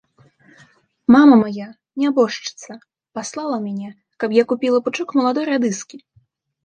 Мама мая, нябожчыца, паслала мяне, каб я купіла пучок маладой радыскі.